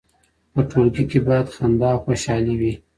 په ټولګي کې باید خندا او خوشحالي وي.